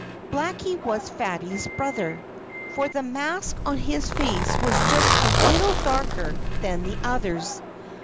Blackie was Fatty's brother for the mask on his face was just a little darker than the others'.